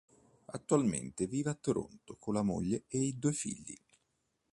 Attualmente vive a Toronto con la moglie e due figli.